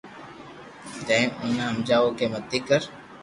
جائين اوني ھمجاوُ ڪي متي ڪر